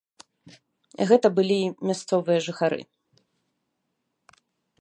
Гэта былі мясцовыя жыхары.